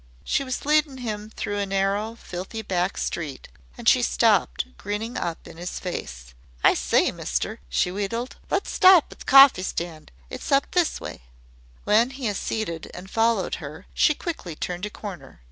'" She was leading him through a narrow, filthy back street, and she stopped, grinning up in his face. "I say, mister," she wheedled, "let's stop at the cawfee stand. It's up this way." When he acceded and followed her, she quickly turned a corner.